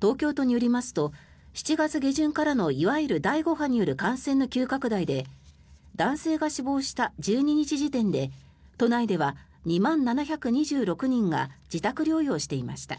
東京都によりますと７月下旬からのいわゆる第５波による感染の急拡大で男性が死亡した１２日時点で都内では２万７２６人が自宅療養していました。